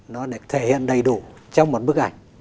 nó được thể hiện đầy đủ trong một bức ảnh